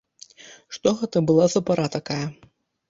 Што гэта была за пара такая!